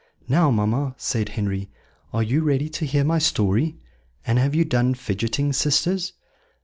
"Now, mamma," said Henry, "are you ready to hear my story? And have you done fidgeting, sisters?"